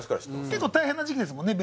結構大変な時期ですもんね